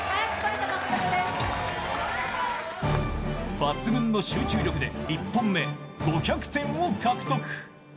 抜群の集中力で１本目、５００点を獲得。